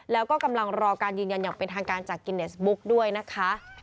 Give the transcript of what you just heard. แล้วก็กำลังรอการยืนยันอย่างเป็นทางการจากกิเนสบุ๊กด้วยนะคะ